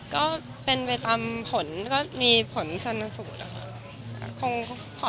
ก็เป็นไปตามผลก็มีผลชนสูตรนะคะ